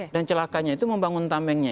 dan celakanya itu membangun tamengnya